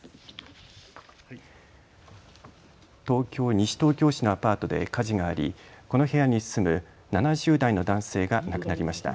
東京西東京市のアパートで火事があり、この部屋に住む７０代の男性が亡くなりました。